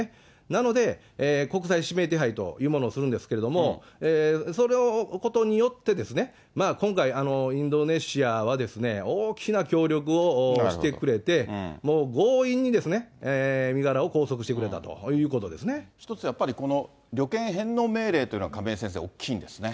なので、国際指名手配というものをするんですけれども、そのことによって、今回、インドネシアは大きな協力をしてくれて、もう強引に身柄を拘束し一つやっぱり、この旅券返納命令というのが亀井先生、大きいんですね。